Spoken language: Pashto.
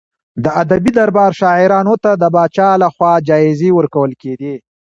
د ادبي دربار شاعرانو ته د پاچا لخوا جايزې ورکول کېدې.